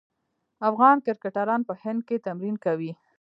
افغان کرکټران په هند کې تمرین کوي.